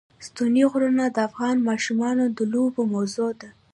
ستوني غرونه د افغان ماشومانو د لوبو موضوع ده.